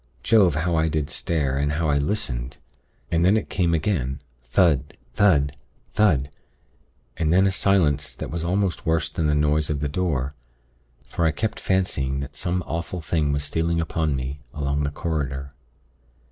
Jove! how I did stare, and how I listened. And then it came again thud, thud, thud, and then a silence that was almost worse than the noise of the door; for I kept fancying that some awful thing was stealing upon me along the corridor.